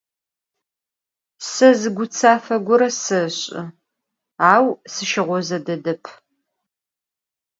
Se zı gutsafe gore seş'ı, au sışığoze dedep.